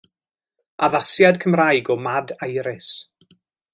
Addasiad Cymraeg o Mad Iris